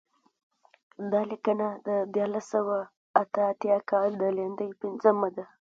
دا لیکنه د دیارلس سوه اته اتیا کال د لیندۍ پنځمه ده.